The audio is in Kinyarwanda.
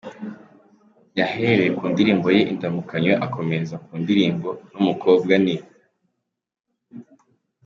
Yahereye ku ndirimbo ye ‘Indamukanyo’, akomereza ku ndirimbo, ‘n’umukobwa’, ni.